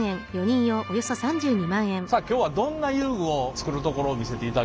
さあ今日はどんな遊具を作るところを見せていただけるんでしょうか？